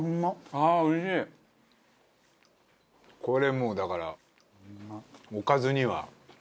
これもうだからおかずには。